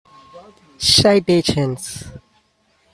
Citations